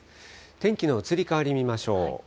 天気の移り変わり見ましょう。